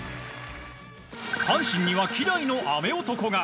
阪神には、希代の雨男が。